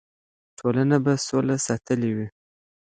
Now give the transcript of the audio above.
ټولنه به سوله ساتلې وي.